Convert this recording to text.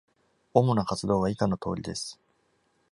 主な活動は以下のとおりです。